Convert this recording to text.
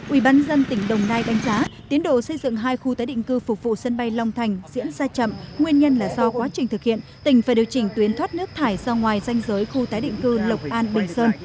ubnd tỉnh đồng nai đánh giá tiến độ xây dựng hai khu tái định cư phục vụ sân bay long thành diễn ra chậm nguyên nhân là do quá trình thực hiện tỉnh phải điều chỉnh tuyến thoát nước thải ra ngoài danh giới khu tái định cư lộc an bình sơn